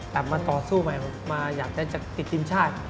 กลับมาต่อสู้ใหม่อยากได้จะติดทริมชาติ